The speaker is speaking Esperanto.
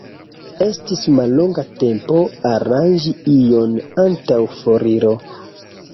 Estis mallonga tempo aranĝi ion antaŭ foriro.